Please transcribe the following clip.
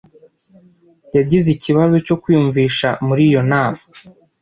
Yagize ikibazo cyo kwiyumvisha muri iyo nama.